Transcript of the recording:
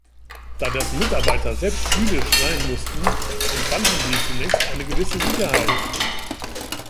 Da dessen Mitarbeiter selbst jüdisch sein mussten, empfanden sie zunächst eine gewisse Sicherheit.